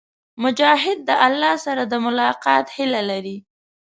مجاهد د الله سره د ملاقات هيله لري.